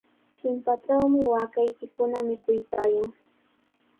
Chimpatrawmi waakaykikuna mikuykaayan.